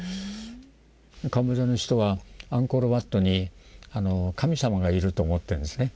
カンボジアの人はアンコール・ワットに神様がいると思ってるんですね。